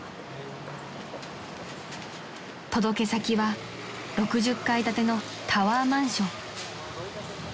［届け先は６０階建てのタワーマンション］